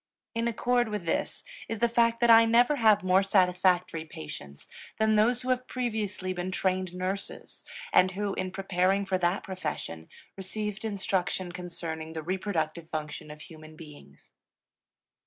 In accord with this is the fact that I never have more satisfactory patients than those who have previously been trained nurses and who, in preparing for that profession, received instruction concerning the reproductive function of human beings.